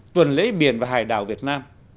tuần lễ biển và hải đảo việt nam